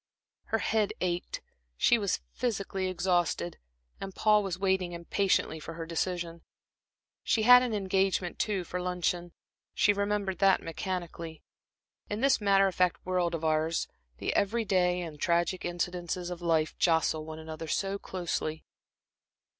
Her head ached, she was physically exhausted, and Paul was waiting, impatiently, for her decision. She had an engagement, too, for luncheon she remembered that mechanically.... In this matter of fact world of ours, the every day and the tragic incidents of life jostle one another so closely.